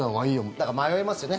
だから迷いますよね。